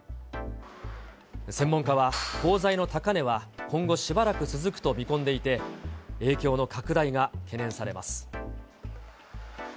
専門家は、鋼材の高値は今後しばらく続くと見込んでいて、影響の拡大が懸念されます。